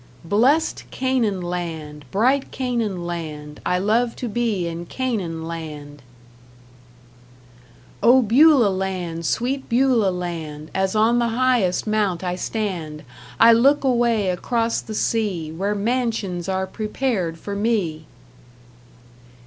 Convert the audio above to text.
Blest Canaan land, bright Canaan land, I love to be in Canaan land! Oh, Beulah land, sweet Beulah land, As on the highest mount I stand, I look away across the sea, Where mansions are prepared for me!